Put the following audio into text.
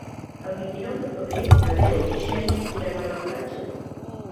El vint-i-nou de febrer na Vera i na Xènia iran a la platja.